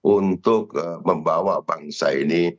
untuk membawa bangsa ini